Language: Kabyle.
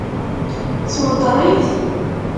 Tweddeṛ-it?